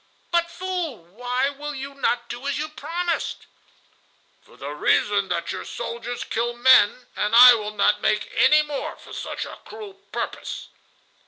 "But, fool, why will you not do as you promised?" "For the reason that your soldiers kill men, and I will not make any more for such a cruel purpose."